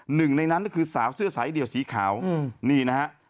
หนึ่งในนั้นก็คือสาวเสื้อสายเดี่ยวสีขาวนี่นะฮะ